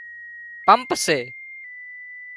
پمپ سي